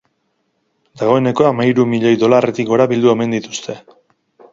Dagoeneko hamahiru milioi dolarretik gora bildu omen dituzte.